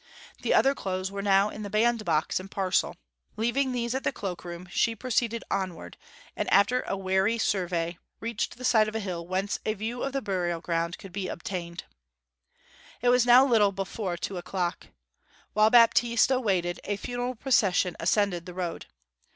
The other clothes were now in the bandbox and parcel. Leaving these at the cloak room she proceeded onward, and after a wary survey reached the side of a hill whence a view of the burial ground could be obtained. It was now a little before two o'clock. While Baptista waited a funeral procession ascended the road.